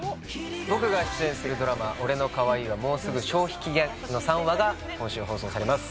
僕が出演するドラマ『俺の可愛いはもうすぐ消費期限！？』の３話が今週放送されます。